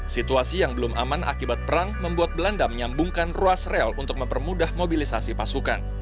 situasi yang belum aman akibat perang membuat belanda menyambungkan ruas rel untuk mempermudah mobilisasi pasukan